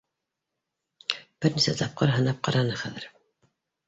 Бер нисә тапҡыр һынап ҡараны хәҙер